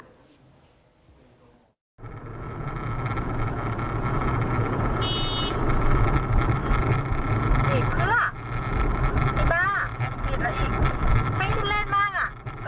นี่แล้วทำอะไรตัวนั้นละมันนี่แหละ